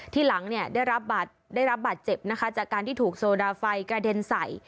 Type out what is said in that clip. ที่หลังเนี่ยได้รับบาดเจ็บนะคะจากการที่ถูกโซดาไฟกระเด็นใส่